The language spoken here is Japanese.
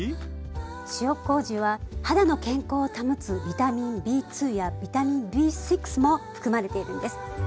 塩麹は肌の健康を保つビタミンＢやビタミンＢも含まれているんです。